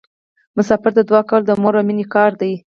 مسافر ته دعا کول د مور او میرمنې کار دی.